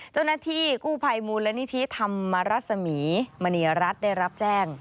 เจ้าหน้าที่กู้ภัยมูลนิธิธรรมรัศมีมณีรัฐได้รับแจ้ง